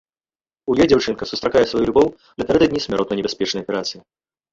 У ёй дзяўчынка сустракае сваю любоў напярэдадні смяротна небяспечнай аперацыі.